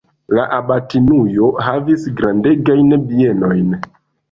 La abatinujo havis grandegajn bienojn.